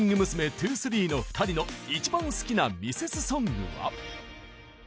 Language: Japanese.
’２３ の２人の一番好きなミセスソングは？